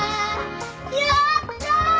やったー！